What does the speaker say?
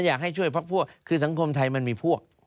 อยากให้ช่วยพักพวกคือสังคมไทยมันมีพวก